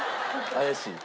怪しい？